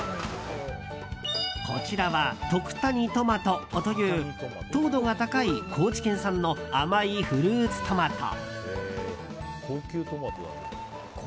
こちらは徳谷トマトという糖度が高い高知県産の甘いフルーツトマト。